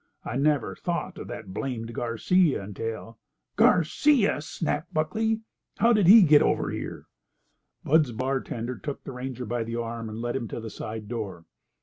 I never thought of that blamed Garcia until—" "Garcia!" snapped Buckley. "How did he get over here?" Bud's bartender took the ranger by the arm and led him to the side door.